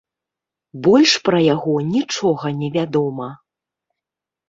Больш пра яго нічога не вядома.